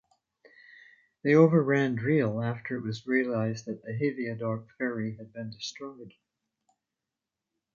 They overran Driel, after it was realised that the Heveadorp ferry had been destroyed.